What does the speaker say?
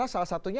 ya kita melihatnya